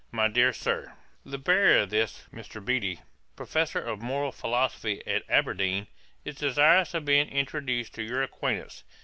'MY DEAR SIR, 'The bearer of this, Mr. Beattie, Professor of Moral Philosophy at Aberdeen, is desirous of being introduced to your acquaintance.